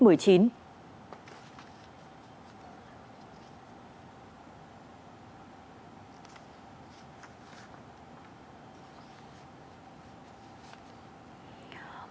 ủy ban nhân dân